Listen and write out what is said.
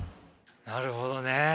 なるほどね。